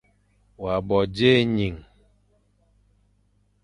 Wa bo dzé ening.